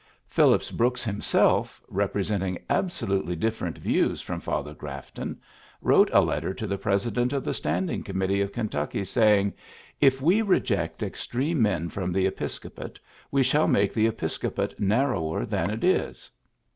Phillips Brooks himself, rep resenting absolutely different views from Father Grafton, wrote a letter to the president of the standing committee of Kentucky, saying, '^If we reject extreme men from the episcopate, we shall make the episcopate narrower than it is.'